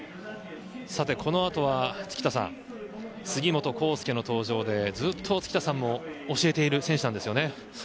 このあとは杉本幸祐の登場でずっと附田さんも教えている選手なんですよね。